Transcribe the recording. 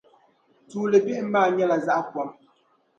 Tuuli bihim maa nyɛla zaɣ' kɔm.